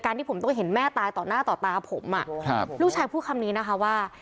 ที่ผมต้องเห็นแม่ตายต่อหน้าต่อตาผมลูกชายพูดคำนี้นะคะว่า